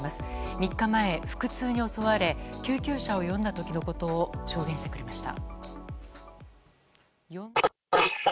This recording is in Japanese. ３日前、腹痛に襲われ救急車を呼んだ時のことを証言してくれました。